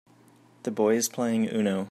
The boy is playing UNO